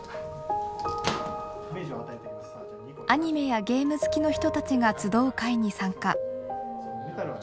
アニメやゲーム好きの人たちが集う会に参加。